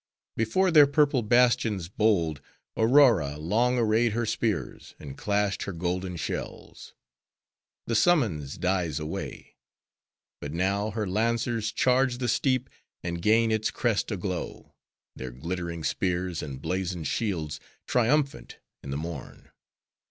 Before their purple bastions bold, Aurora long arrayed her spears, and clashed her golden shells. The summons dies away. But now, her lancers charge the steep, and gain its crest a glow;—their glittering spears and blazoned shields triumphant in the morn.